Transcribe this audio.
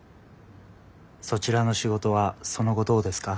「そちらの仕事はその後どうですか？